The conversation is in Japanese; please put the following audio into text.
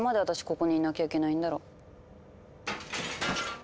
ここにいなきゃいけないんだろ。